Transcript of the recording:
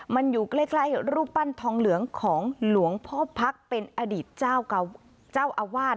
มันอยู่ใกล้รูปปั้นทองเหลืองของหลวงพ่อพักเป็นอดีตเจ้าอาวาส